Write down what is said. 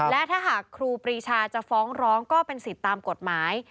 และถ้าหากครูปรีชาจะฟ้องร้องก็เป็นสิทธิ์ตามกฎหมาย